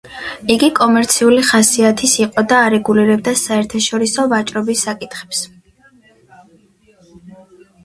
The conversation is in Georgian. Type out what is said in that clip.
იგი კომერციული ხასიათის იყო და არეგულირებდა საერთაშორისო ვაჭრობის საკითხებს.